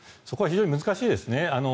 そこは非常に難しいですね